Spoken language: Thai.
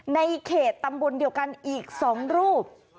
ในเขตตำบลเดียวกันอีก๒รูป